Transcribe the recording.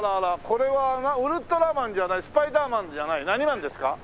これはウルトラマンじゃないスパイダーマンじゃない何マンですか？